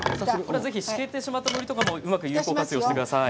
ぜひしけってしまった、のりとかもうまく有効活用してください。